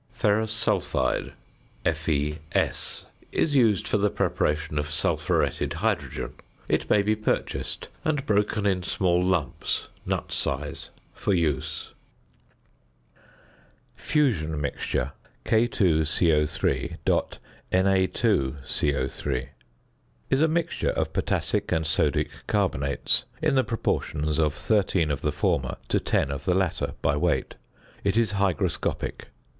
~Ferrous Sulphide~ (FeS) is used for the preparation of sulphuretted hydrogen. It may be purchased and broken in small lumps, nut size, for use. "~Fusion Mixture~" (K_CO_.Na_CO_) is a mixture of potassic and sodic carbonates in the proportions of 13 of the former to 10 of the latter, by weight. It is hygroscopic.